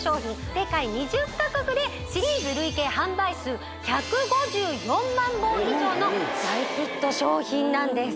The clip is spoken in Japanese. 世界２０か国でシリーズ累計販売数１５４万本以上の大ヒット商品なんです